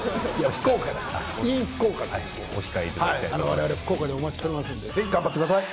我々福岡でお待ちしておりますのでぜひ頑張ってください。